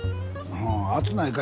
「暑ないか？」